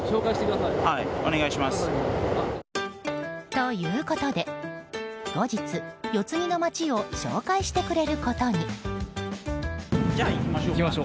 ということで、後日四つ木の街を紹介してくれることに。